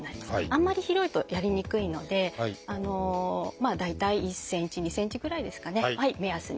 あんまり広いとやりにくいのでまあ大体１ｃｍ２ｃｍぐらいですかね目安にやってください。